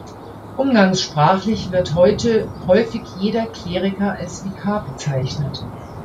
Umgangssprachlich wird heute häufig jeder Kleriker als Vikar bezeichnet.